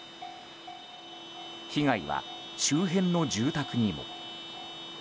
被害は周辺の住宅にも。